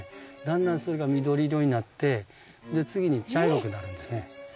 だんだんそれが緑色になってで次に茶色くなるんですね。